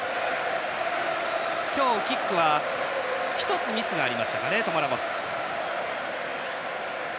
今日キックは１つミスがありましたかねトマ・ラモス。